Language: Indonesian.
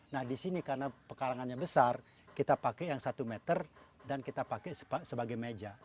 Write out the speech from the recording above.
nah di sini karena pekarangannya besar kita pakai yang satu meter dan kita pakai sebagai meja